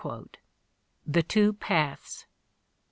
("The Two Paths.")